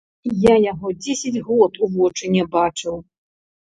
Я яго дзесяць год у вочы не бачыў.